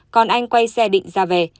còn anh quay xe định ra về